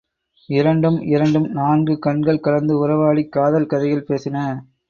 இரண்டும் இரண்டும் நான்கு கண்கள் கலந்து உறவாடிக் காதல் கதைகள் பேசின.